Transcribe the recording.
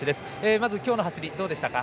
まずきょうの走りどうでしたか。